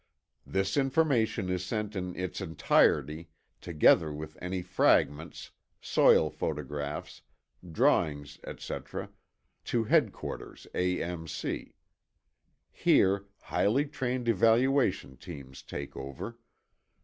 This information is sent in its entirety, together with any fragments, soil photographs, drawings, etc., to Headquarters, A.M.C. Here, highly trained evaluation teams take over.